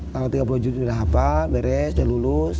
kalau tiga puluh yus sudah hafal beres sudah lulus